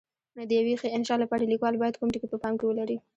د یوې ښې انشأ لپاره لیکوال باید کوم ټکي په پام کې ولري؟